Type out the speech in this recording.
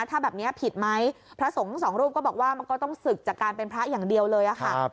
ถ้าแบบนี้ผิดไหมพระสงฆ์สองรูปก็บอกว่ามันก็ต้องศึกจากการเป็นพระอย่างเดียวเลยค่ะ